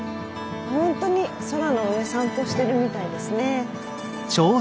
ホントに空の上散歩してるみたいですね。